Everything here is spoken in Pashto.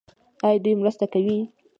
آیا دوی مرسته کوي؟